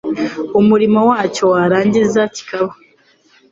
umurimo wacyo, cyarangiza kikaba